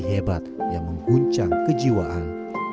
kondisi depresi hebat yang mengguncang kejiwaan